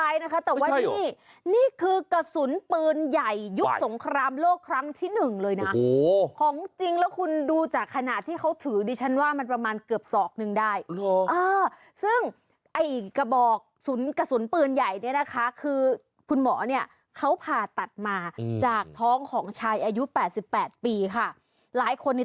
เรียกได้ว่านีออกจากบ้านก็ไม่ใช่เรื่องนี้หรอกนะ